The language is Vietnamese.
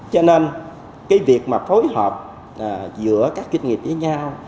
cho nên cái việc mà phối hợp giữa các doanh nghiệp với nhau